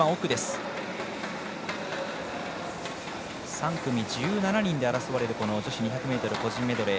３組１７人で争われる女子２００ｍ個人メドレー。